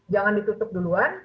jangan ditutup duluan